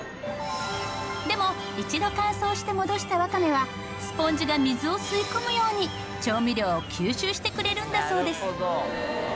でも一度乾燥して戻したわかめはスポンジが水を吸い込むように調味料を吸収してくれるんだそうです。